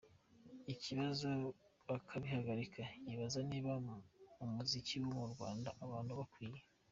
ikibazo, bakabihagarika, Yibaza niba mu muziki wo mu Rwanda, abantu bakwiye